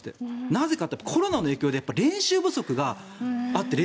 なぜかと言ったらコロナの影響で練習不足があって。